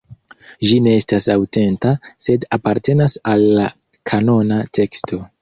Ĝi ne estas aŭtenta, sed apartenas al la kanona teksto.